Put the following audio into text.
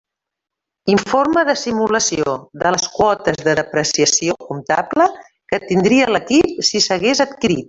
Informe de simulació de les quotes de depreciació comptable que tindria l'equip si s'hagués adquirit.